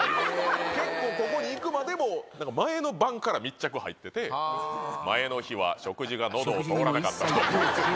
結構ここにいくまでも、なんか前の晩から密着入ってて、前の日は食事がのどを通らなかったとか。